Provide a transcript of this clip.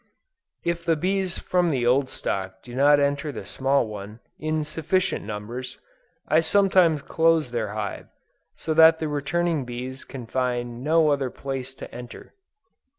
If the bees from the old stock do not enter the small one, in sufficient numbers, I sometimes close their hive, so that the returning bees can find no other place to enter.